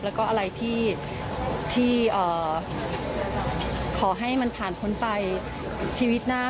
แล้วก็อะไรที่ขอให้มันผ่านพ้นไปชีวิตหน้า